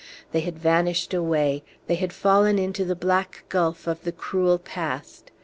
They had vanished away; they had fallen into the black gulf of the cruel past.